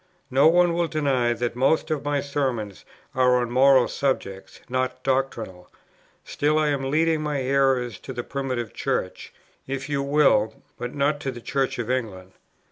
No one will deny that most of my sermons are on moral subjects, not doctrinal; still I am leading my hearers to the Primitive Church, if you will, but not to the Church of England.